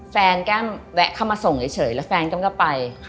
แก้มแวะเข้ามาส่งเฉยแล้วแฟนแก้มก็ไป